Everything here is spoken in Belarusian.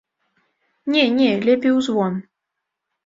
Не, не, лепей у звон.